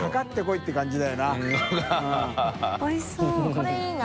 これいいな。